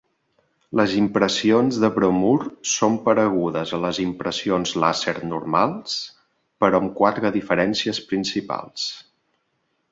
Les impressions de bromur són paregudes a les impressions làser normals, però amb quatre diferències principals.